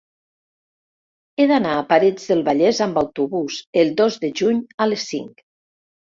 He d'anar a Parets del Vallès amb autobús el dos de juny a les cinc.